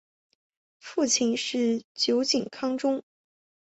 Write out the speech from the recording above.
父亲是酒井康忠。